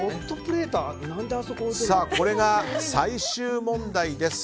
これが最終問題です。